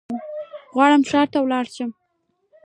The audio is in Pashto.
غواړم ښار ته ولاړشم